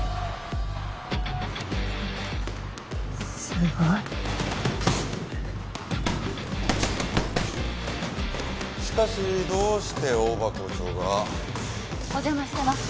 すごい！しかしどうして大場校長が？お邪魔してます。